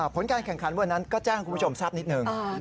ผลการแข่งขันวันนั้นก็แจ้งคุณผู้ชมทราบนิดหนึ่ง